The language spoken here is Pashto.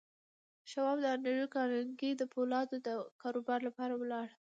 شواب د انډریو کارنګي د پولادو د کاروبار لپاره ولاړ